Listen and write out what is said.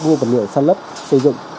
nguyên vật liệu săn lấp xây dựng